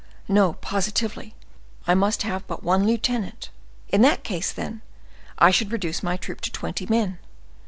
No; positively I must have but one lieutenant. In that case, then, I should reduce my troop to twenty men.